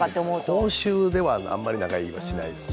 公衆ではあまり長居はしないですね。